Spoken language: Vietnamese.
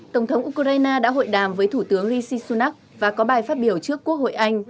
tổng thống ukraine đã hội đàm với thủ tướng rishi sunak và có bài phát biểu trước quốc hội anh